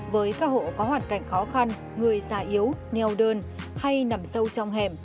với các hộ có hoạt cảnh khó khăn người xa yếu neo đơn hay nằm sâu trong hẻm